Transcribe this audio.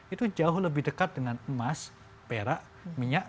itu jauh lebih dekat dengan emas perak minyak